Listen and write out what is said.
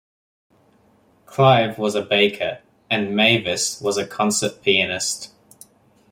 Clive was a baker and Mavis was a concert pianist.